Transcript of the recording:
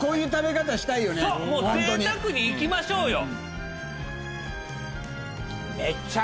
ぜいたくにいきましょうよ。